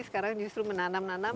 sekarang justru menanam nanam